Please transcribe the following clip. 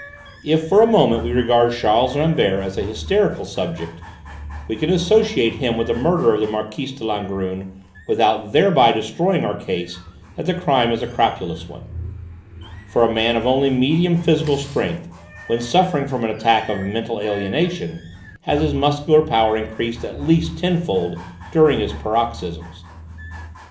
If for a moment we regard Charles Rambert as a hysterical subject, we can associate him with the murder of the Marquise de Langrune without thereby destroying our case that the crime is a crapulous one, for a man of only medium physical strength, when suffering from an attack of mental alienation, has his muscular power increased at least tenfold during his paroxysms.